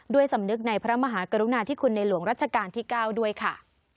สำนึกในพระมหากรุณาธิคุณในหลวงรัชกาลที่๙ด้วยค่ะ